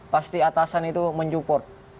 pasti atasan itu mencukup